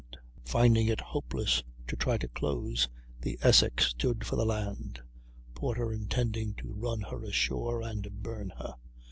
Naval Academy Museum)] Finding it hopeless to try to close, the Essex stood for the land, Porter intending to run her ashore and burn her.